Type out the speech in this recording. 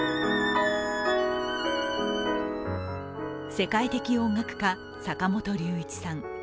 世界的音楽家・坂本龍一さん。